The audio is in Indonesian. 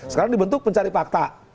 sekarang dibentuk pencari fakta